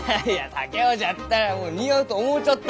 竹雄じゃったらもう似合うと思うちょった。